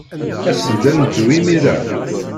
As-d ad neddu imir-a.